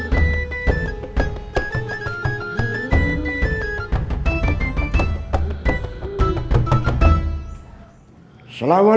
buat barang barang barang st